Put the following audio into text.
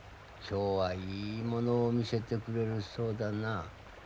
今日はいい物を見せてくれるそうだな？